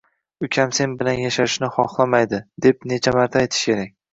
Ukam sen bilan yashashni xohlamaydi, deb necha marta aytish kerak